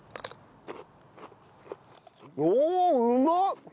おおうまっ！